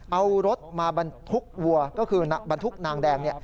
เอารถมาบรรทุกวัวก็คือบรรทุกนางแดง